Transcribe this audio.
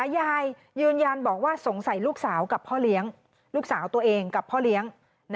ยายยืนยันบอกว่าสงสัยลูกสาวกับพ่อเลี้ยงลูกสาวตัวเองกับพ่อเลี้ยง